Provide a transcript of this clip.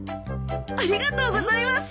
ありがとうございます。